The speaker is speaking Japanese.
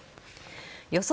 予想